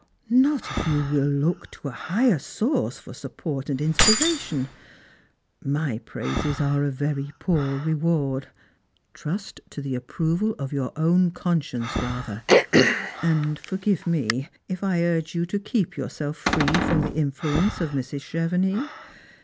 "Not if you will iook to a higher source for support and inspira tion. My praises are a very poor reward. Trust to the approval of your own conscience rather ; and forgive me if I urge you to keep yourself free from the influence of Mrs. ChevenLx.